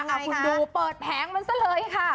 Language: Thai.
เอาคุณดูเปิดแผงมันซะเลยค่ะ